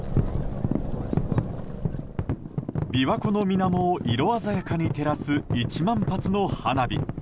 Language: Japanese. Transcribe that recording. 琵琶湖の水面を色鮮やかに照らす１万発の花火。